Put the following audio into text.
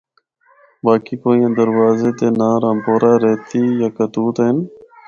باقی کوئیاں دروازے دے ناں رامپورہ، ریتی، یکہ توت ہن۔